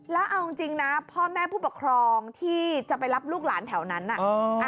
แล้วเอาจริงนะพ่อแม่ผู้ปกครองที่จะไปรับลูกหลานแถวนั้นน่ะ